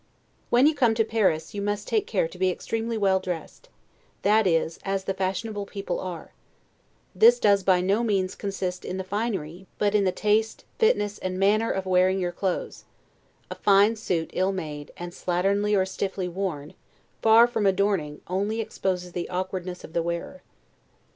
When you come to Paris, you may take care to be extremely well dressed; that is, as the fashionable people are; this does by no means consist in the finery, but in the taste, fitness, and manner of wearing your clothes; a fine suit ill made, and slatternly or stiffly worn, far from adorning, only exposes the awkwardness of the wearer.